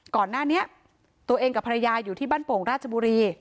ก่อนหน้านี้ตัวเองกับภรรยาอยู่ที่บ้านโป่งราชบุรี